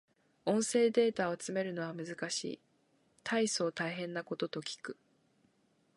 音声データを集めるのは難しい。大層大変なことと聞く。